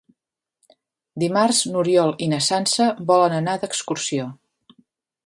Dimarts n'Oriol i na Sança volen anar d'excursió.